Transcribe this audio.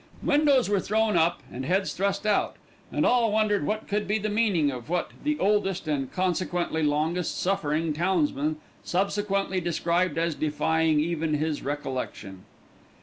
Windows were thrown up and heads thrust out, and all wondered what could be the meaning of what the oldest, and consequently longest suffering, townsman subsequently described as defying even his recollection.